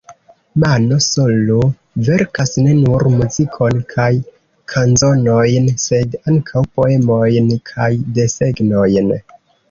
Mano Solo verkas ne nur muzikon kaj kanzonojn sed ankaŭ poemojn kaj desegnojn.